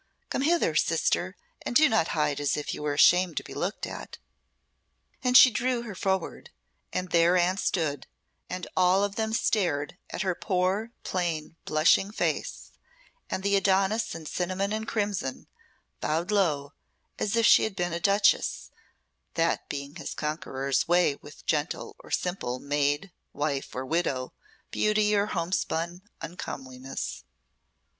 Come hither, sister, and do not hide as if you were ashamed to be looked at." And she drew her forward, and there Anne stood, and all of them stared at her poor, plain, blushing face, and the Adonis in cinnamon and crimson bowed low, as if she had been a duchess, that being his conqueror's way with gentle or simple, maid, wife, or widow, beauty or homespun uncomeliness.